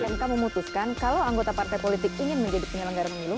mk memutuskan kalau anggota partai politik ingin menjadi penyelenggara pemilu